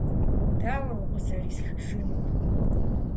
- Дауэ укъызэрисхыжынур?